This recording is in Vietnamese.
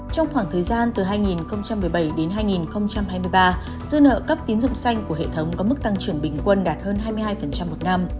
trong khoảng thời gian từ hai nghìn một mươi bảy đến hai nghìn hai mươi ba dư nợ cấp tín dụng xanh của hệ thống có mức tăng trưởng bình quân đạt hơn hai mươi hai một năm